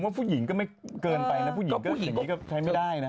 ผมว่าผู้หญิงก็ไม่เกินไปนะผู้หญิงแบบนี้ก็ใช้ไม่ได้นะ